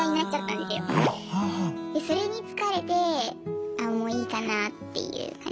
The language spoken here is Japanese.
でそれに疲れてあもういいかなっていう感じ。